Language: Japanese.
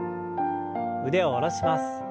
腕を下ろします。